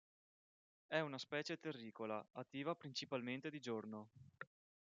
È una specie terricola, attiva principalmente di giorno.